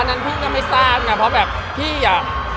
อ๋ออันนั้นพี่ก็ไม่ทราบนะเพราะแบบพี่อ่ะ